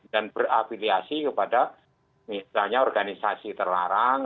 dan berafiliasi kepada misalnya organisasi terlarang